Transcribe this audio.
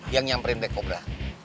yang nyamperin black cobra